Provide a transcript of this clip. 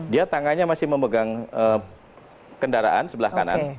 dia tangannya masih memegang kendaraan sebelah kanan